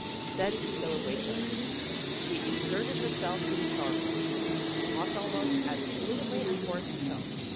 Then Priscilla waked up. She exerted her self to be charming. She talked almost as fluently as Horace himself.